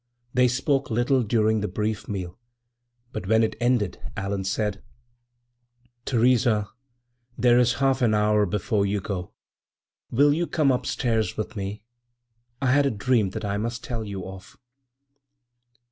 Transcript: They spoke little during the brief meal, but when it was ended Allan said: "Theresa, there is half an hour before you go. Will you come upstairs with me? I had a dream that I must tell you of."